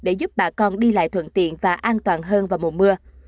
để giúp bà con đi lại thuận tiện và an toàn hơn vào mùa mưa